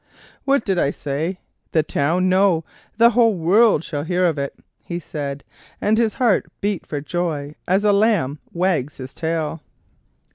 "What did I say, the town? no, the whole world shall hear of it," he said; and his heart beat for joy as a lamb wags his tail.